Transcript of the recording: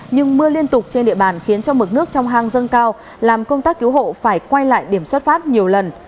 nhưng mưa liên tục trên địa bàn khiến cho mực nước trong hang dâng cao làm công tác cứu hộ phải quay lại điểm xuất phát nhiều lần